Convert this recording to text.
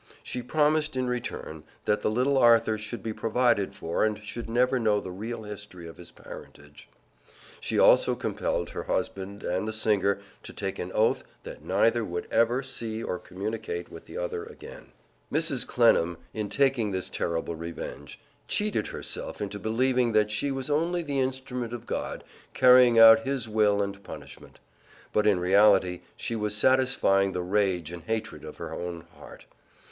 She promised, in return, that the little Arthur should be provided for and should never know the real history of his parentage. She also compelled her husband and the singer to take an oath that neither would ever see or communicate with the other again. Mrs. Clennam, in taking this terrible revenge, cheated herself into believing that she was only the instrument of God, carrying out His will and punishment. But in reality she was satisfying the rage and hatred of her own heart.